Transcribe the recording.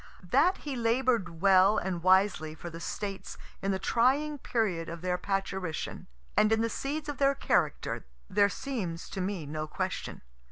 That he labor'd well and wisely for the States in the trying period of their parturition, and in the seeds of their character, there seems to me no question.